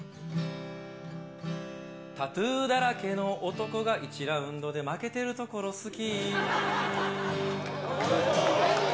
タトゥーだらけの男が１ラウンドで負けてるところ、好き。